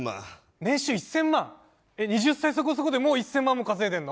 年収１０００万えっ２０歳そこそこでもう１０００万も稼いでんの？